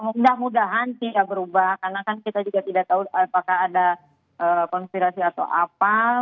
mudah mudahan tidak berubah karena kan kita juga tidak tahu apakah ada konspirasi atau apa